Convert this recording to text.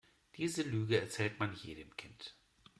Diese Lüge erzählt man jedem Kind.